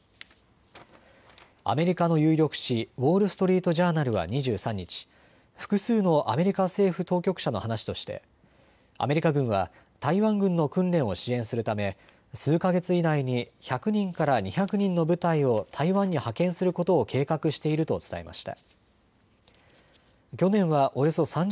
アメリカの有力紙、ウォール・ストリート・ジャーナルは２３日、複数のアメリカ政府当局者の話としてアメリカ軍は台湾軍の訓練を支援するため数か月以内に１００人から２００人の部隊を台湾に派遣することを計画していると伝えました。